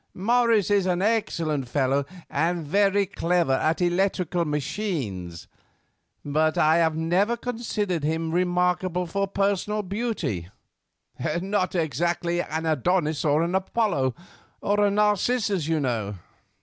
Morris is an excellent fellow, and very clever at electrical machines; but I have never considered him remarkable for personal beauty—not exactly an Adonis, or an Apollo, or a Narcissus, you know."